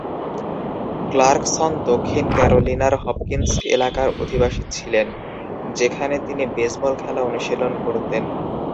Clarkson দক্ষিণ ক্যারোলিনার Hopkins এলাকার অধিবাসী ছিলেন। সেখানে তিনি বেসবল খেলা অনুশীলন করতেন।